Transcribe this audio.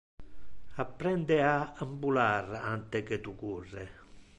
Apprende a ambular ante que tu curre.